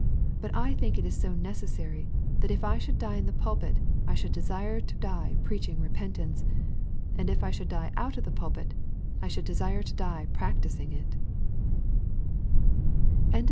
But I think it is so necessary, that if I should die in the pulpit, I should desire to die preaching repent ance, and if I should die out of the pulpit, I should desire to die practising it" LUKE XIIL 6—9.